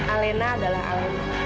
alina adalah alina